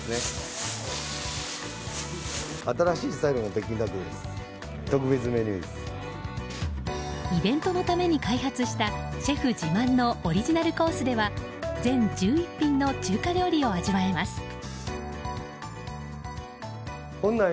イベントのために開発したシェフ自慢のオリジナルコースでは全１１品の中華料理を味わえます。